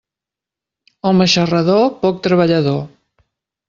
Home xarrador, poc treballador.